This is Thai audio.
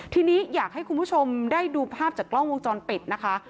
ทีนี้อยากให้คุณผู้ชมได้ดูภาพจากกล้องวงจรปิดนะคะ